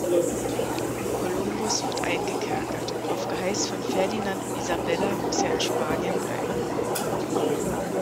Kolumbus wird eingekerkert; auf Geheiß von Ferdinand und Isabella muss er in Spanien bleiben.